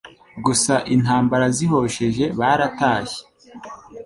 Gusa intambara zihosheje baratashye